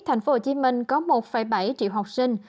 tp hcm có một bảy triệu học sinh